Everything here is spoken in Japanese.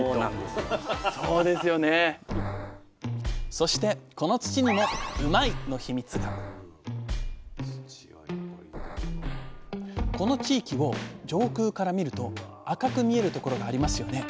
そしてこの土にもうまいッ！のヒミツがこの地域を上空から見ると赤く見える所がありますよね。